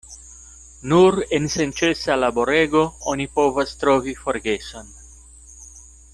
Nur en senĉesa laborego oni povas trovi forgeson.